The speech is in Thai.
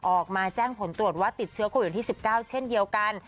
ออกมาแจ้งผลตรวจว่าติดเชื้อโควิด๑๙เช่นเดียวกัน